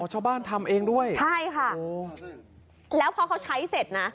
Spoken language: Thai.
อ๋อชาวบ้านทำเองด้วยใช่ค่ะแล้วพอเขาใช้เสร็จนะ